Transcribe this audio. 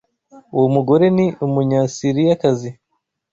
Uwo mugore ni Umunyasiriyakazi